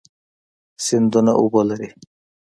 سیندونه اوبه لري.